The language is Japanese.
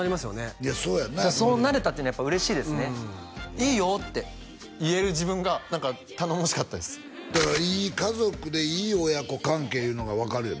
いやそうやんなそうなれたっていうのはやっぱ嬉しいですねいいよって言える自分が何か頼もしかったですだからいい家族でいい親子関係いうのが分かるよね